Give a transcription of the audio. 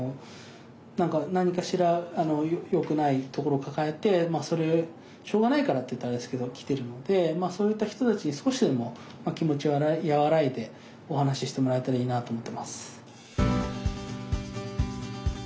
何かしら良くないところを抱えてそれでしょうがないからって言ったらあれですけど来てるのでそういった人たちに少しでも気持ちは和らいでお話ししてもらえたらいいなと思ってます。